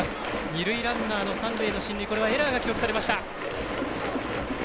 二塁ランナーの三塁の進塁エラーが記録されました。